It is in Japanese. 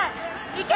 いけ！